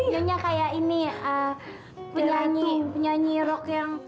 nyonya kayak ini penyanyi rock yang